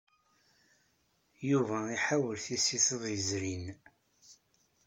Yuba iḥawel tisit iḍ yezrin.